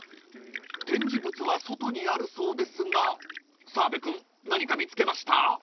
［展示物は外にあるそうですが澤部君何か見つけました？］